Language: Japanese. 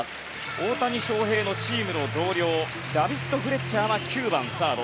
大谷翔平のチームの同僚ダビッド・フレッチャーは９番サード。